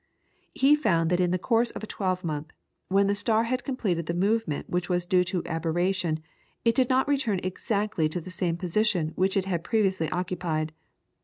He found that in the course of a twelve month, when the star had completed the movement which was due to aberration, it did not return exactly to the same position which it had previously occupied.